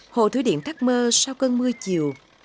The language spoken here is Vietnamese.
hồ thủy điện thác mơ sau cơn mưa chiều